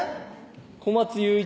小松雄一